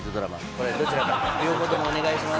これどちらか両方ともお願いします。